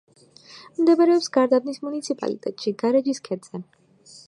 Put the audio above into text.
მდებარეობს გარდაბნის მუნიციპალიტეტში, გარეჯის ქედზე.